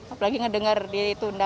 apalagi ngedenger ditunda